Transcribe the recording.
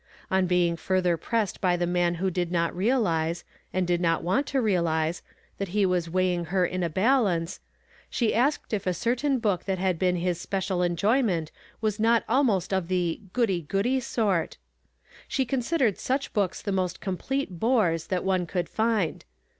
On being further pressed by the man who did not realize, and did not want to " HEAR YE INDEED, BUT UNDERSTAND NOT." 115 realize, that he was weighing her in a halance, she asked if a certain hook that had heen his special enjoj nient was not almost of the "goodj goody sort" ? She considered such hooks the most com plete bores that one could lind.